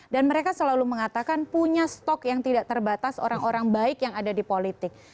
dan mereka selalu mengatakan punya stok yang tidak terbatas orang orang baik yang ada di politik